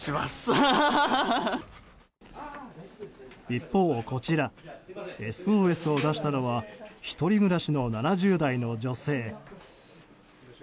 一方こちらＳＯＳを出したのは１人暮らしの７０代の女性。